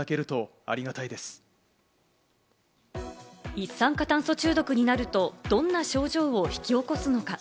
一酸化炭素中毒になると、どんな症状を引き起こすのか？